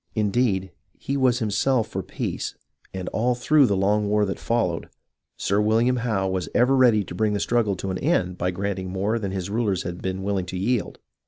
Indeed, he was himself for peace, and all through the long war that followed. Sir William Howe was ever ready to bring the struggle to an end by granting more than his rulers had been willing to yield.